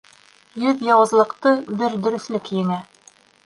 Йөҙ яуызлыҡты бер дөрөҫлөк еңә.